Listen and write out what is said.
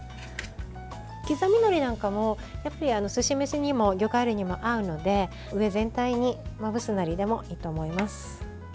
刻みのりなんかもすし飯にも、魚介類にも合うので上全体にまぶすなりでもいいと思います。